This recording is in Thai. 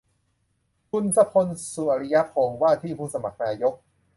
คุณสุพจน์ สุอริยพงษ์ ว่าที่ผู้สมัครนายก